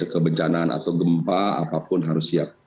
kebencanaan atau gempa apapun harus siap